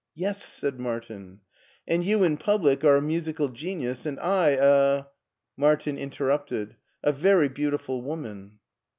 '' Yes," said Martin. ''And you in public are a musical genius, and I a " Martin interrupted — "A very beautiful woman."